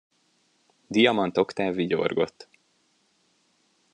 Diamant Oktáv vigyorgott.